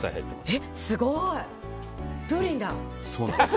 すごい、プリンだ！